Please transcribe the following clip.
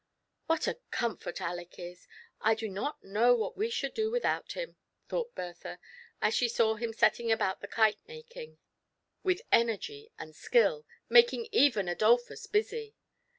" What a comfort i j i Aleck is; I do not know what we should do without hira !" thought Bertha, as she saw him setting about the kite making with energy and skill, mak ing even Adolphua busy.